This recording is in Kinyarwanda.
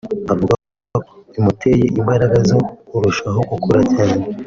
avuga ko bimuteye imbaraga zo kurushaho gukora cyane